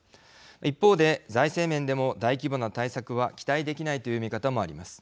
一方で財政面でも大規模な対策は期待できないという見方もあります。